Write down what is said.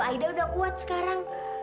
aida udah kuat sekarang